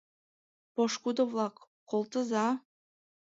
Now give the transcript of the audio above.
— Пошкудо-влак, колтыза?